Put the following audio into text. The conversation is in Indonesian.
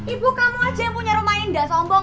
ibu kamu aja yang punya rumah ini gak sombong